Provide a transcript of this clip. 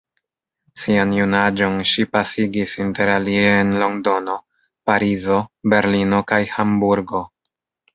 Sian junaĝon ŝi pasigis interalie en Londono, Parizo, Berlino kaj Hamburgo.